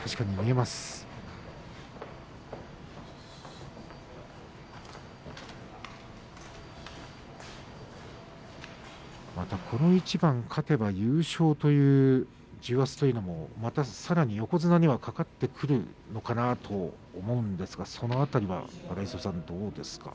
またこの一番勝てば優勝という重圧というのもさらに横綱にはかかってくるのかなと思うんですが、その辺りは荒磯さん、どうですか。